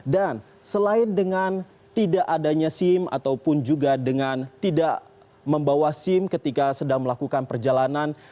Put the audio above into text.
dan selain dengan tidak adanya sim ataupun juga dengan tidak membawa sim ketika sedang melakukan perjalanan